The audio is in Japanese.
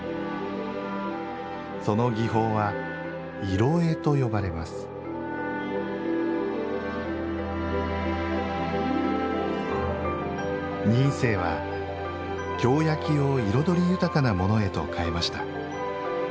その技法は色絵と呼ばれます仁清は京焼を彩り豊かなものへと変えました。